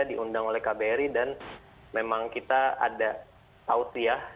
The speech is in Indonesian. diundang oleh kbri dan memang kita ada tausiah